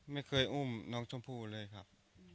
ไม่เคยอุ้มน้องชมพู่เลยครับ